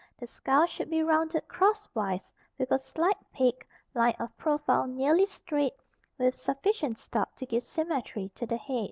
The skull should be rounded cross wise with a slight peak, line of profile nearly straight, with sufficient stop to give symmetry to the head.